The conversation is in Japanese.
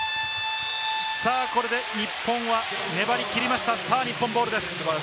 これで日本は粘り切りました、日本ボールです。